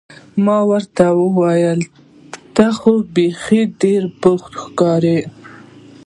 ما ورته وویل: ته خو بیخي ډېر بوخت ښکارې.